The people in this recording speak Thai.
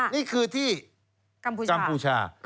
นี่คือที่กัมพูชา